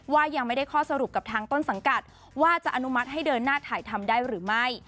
ยังไม่ได้ข้อสรุปกับทางต้นสังกัดว่าจะอนุมัติให้เดินหน้าถ่ายทำได้หรือไม่